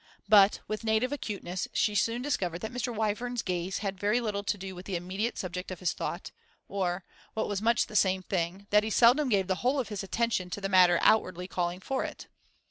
But, with native acuteness, she soon discovered that Mr. Wyvern's gaze had very little to do with the immediate subject of his thought, or, what was much the same thing, that he seldom gave the whole of his attention to the matter outwardly calling for it.